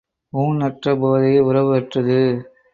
ஊண் அற்ற போதே உறவு அற்றது.